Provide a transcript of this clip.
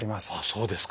そうですか！